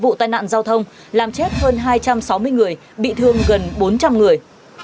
một trăm năm mươi vụ tai nạn giao thông làm chết hơn hai trăm sáu mươi người bị thương gần bốn trăm linh người